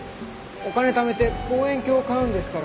お金ためて望遠鏡を買うんですから。